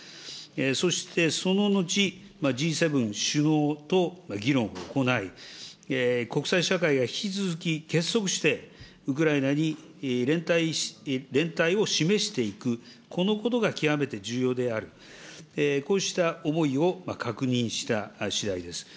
そしてその後、Ｇ７首脳と議論を行い、国際社会が引き続き結束して、ウクライナに連帯を示していく、このことが極めて重要である、こうした思いを確認したしだいです。